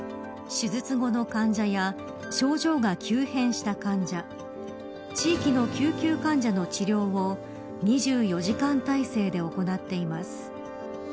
手術後の患者や症状が急変した患者地域の救急患者の治療を２４時間体制で行っています。